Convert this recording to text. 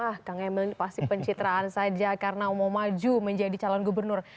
ah kang emil ini pasti pencitraan saja karena mau maju menjadi calon gubernur